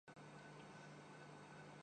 سب بندوبست کر رکھنا